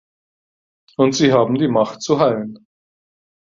Und sie haben die Macht zu heilen.